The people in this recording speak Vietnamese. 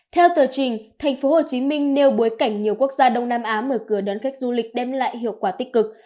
theo tờ trình thành phố hồ chí minh nêu bối cảnh nhiều quốc gia đông nam á mở cửa đón khách du lịch đem lại hiệu quả tích cực